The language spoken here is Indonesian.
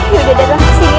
yunda datang ke sini